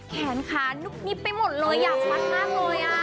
แขนขานุบงิบไปหมดเลยอยากชัดมากเลย